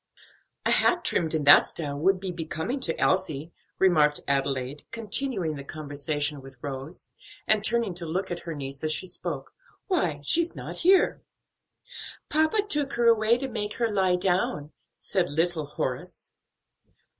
"A hat trimmed in that style would be becoming to Elsie," remarked Adelaide, continuing the conversation with Rose, and turning to look at her niece as she spoke. "Why, she's not here." "Papa took her away to make her lie down," said little Horace.